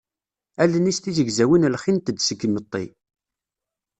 Allen-is tizegzawin lxint-d seg yimetti.